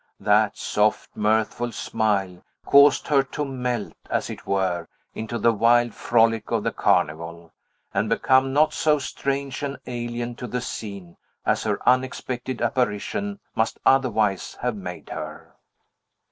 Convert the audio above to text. That soft, mirthful smile caused her to melt, as it were, into the wild frolic of the Carnival, and become not so strange and alien to the scene, as her unexpected apparition must otherwise have made her.